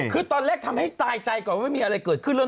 คือตอนแรกทำให้ตายใจก่อยว่ามีอะไรก็ไปขึ้นแล้วเน้อ